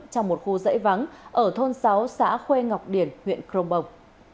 trong một khu dãy vắng ở thôn sáu xã khuê ngọc điển huyện crong bồng